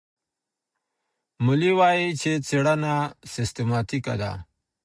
مولي وايي چي څېړنه سیستماتیکه ده.